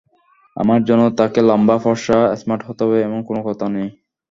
আমার জন্য তাকে লম্বা, ফরসা, স্মার্ট হতে হবে—এমন কোনো কথা নেই।